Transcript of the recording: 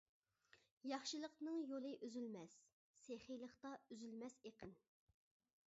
ياخشىلىقنىڭ يولى ئۈزۈلمەس، سېخىيلىقتا ئۈزۈلمەس ئېقىن.